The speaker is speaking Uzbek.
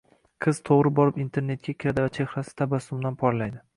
Qiz - to‘g‘ri borib “internet”ga kiradi va chehrasi tabassumdan porlaydi.